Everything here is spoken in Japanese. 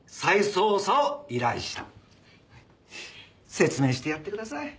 説明してやってください。